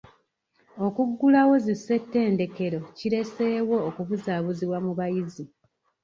Okuggulawo zi ssettendekero kireeseewo okubuzaabuzibwa mu bayizi.